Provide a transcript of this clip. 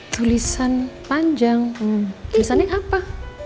tulisan panjang tulisannya apa